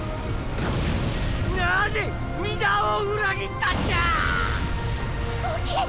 なぜ皆を裏切ったんじゃ⁉大きい！